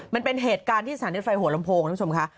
มันเป็นเหตุการณ์ที่สถานีไฟหัวลำโพงท่านผู้ชมค่ะ